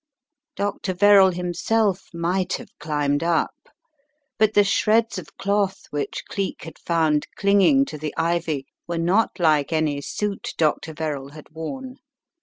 Dr. Verrall himself might have climbed up— but the shreds of cloth which Cleek had found clinging to the ivy were not like any suit Dr. Verrall had worn.